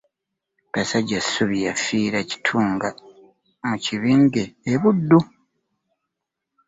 Basajjassubi yafiira Kitunga mu Kibinge e Buddu.